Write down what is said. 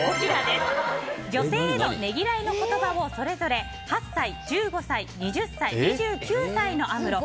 女性へのねぎらいの言葉をそれぞれ８歳、１５歳２３歳、２９歳のアムロ